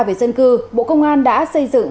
về dân cư bộ công an đã xây dựng